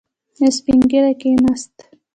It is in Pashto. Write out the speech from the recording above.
يو سپين ږيری کېناست.